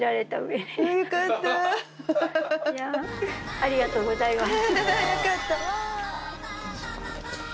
ありがとうございます。